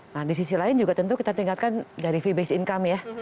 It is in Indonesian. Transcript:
nah di sisi lain juga tentu kita tingkatkan dari fee based income ya